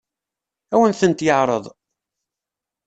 Ad awen-tent-yeɛṛeḍ?